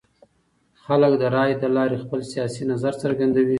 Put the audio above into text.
خلک د رایې له لارې خپل سیاسي نظر څرګندوي